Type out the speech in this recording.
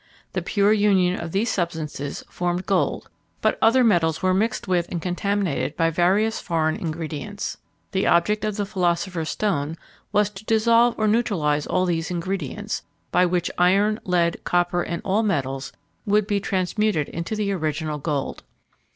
The pure union of these substances formed gold; but other metals were mixed with and contaminated by various foreign ingredients. The object of the philosopher's stone was to dissolve or neutralise all these ingredients, by which iron, lead, copper, and all metals would be transmuted into the original gold.